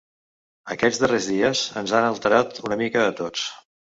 Aquests darrers dies ens han alterat una mica a tots.